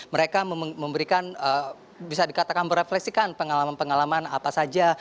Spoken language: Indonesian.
mereka memberikan bisa dikatakan merefleksikan pengalaman pengalaman apa saja